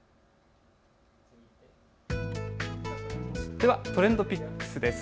ではＴｒｅｎｄＰｉｃｋｓです。